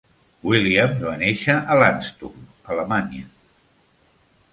Williams va néixer a Landstuhl, Alemanya.